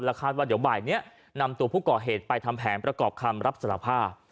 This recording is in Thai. คาดว่าเดี๋ยวบ่ายนี้นำตัวผู้ก่อเหตุไปทำแผนประกอบคำรับสารภาพ